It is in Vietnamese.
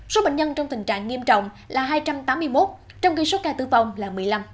số bệnh nhân trong tình trạng nghiêm trọng là hai trăm tám mươi một trong khi số ca tử vong là một mươi năm